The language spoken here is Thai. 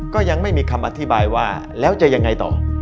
ก็ยังไม่มีคำอธิบายว่าแล้วจะยังไงต่อ